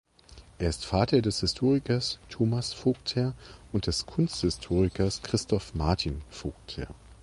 Er ist Vater des Historikers Thomas Vogtherr und des Kunsthistorikers Christoph Martin Vogtherr.